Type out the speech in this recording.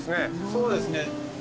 そうですね。